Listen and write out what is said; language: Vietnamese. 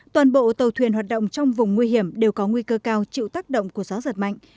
toàn bộ tàu thuyền hoạt động trong vùng nguy hiểm đều có nguy cơ cao chịu tác động của gió giật mạnh